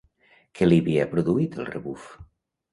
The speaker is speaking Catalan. Què li havia produït el rebuf?